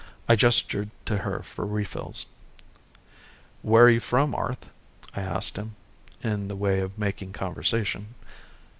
I gestured to her for refills. "Where are you from, Arth?" I asked him, in the way of making conversation.